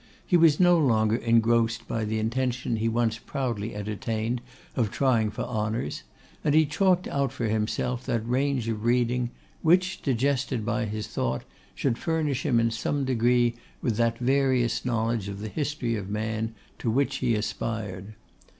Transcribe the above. He was no longer engrossed by the intention he once proudly entertained of trying for honours, and he chalked out for himself that range of reading, which, digested by his thought, should furnish him in some degree with that various knowledge of the history of man to which he aspired.